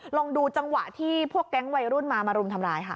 ลองดูจังหวะที่พวกแก๊งวัยรุ่นมามารุมทำร้ายค่ะ